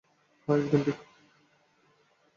হ্যাঁ, একদম ঠিক।